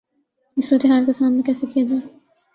اس صورتحال کا سامنا کیسے کیا جائے؟